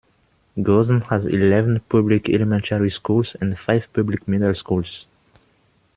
Gosen has eleven public elementary schools and five public middle schools.